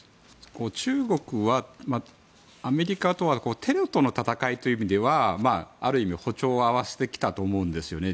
中国はアメリカとはテロとの戦いという意味ではある意味、歩調を合わせてきたと思うんですよね。